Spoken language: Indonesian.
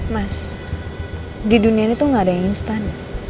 mas di dunia ini tuh gak ada yang instan